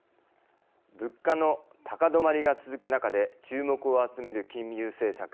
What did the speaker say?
物価の高止まりが続く中で注目を集める金融政策。